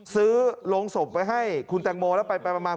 ซื้อลงศพไปให้คุณแปรกโมแล้วไปเป็นประมาณ